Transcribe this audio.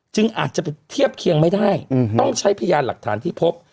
อาจจะไปเทียบเคียงไม่ได้ต้องใช้พยานหลักฐานที่พบ